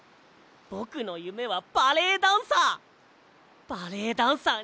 ぼくのゆめはバレエダンサー。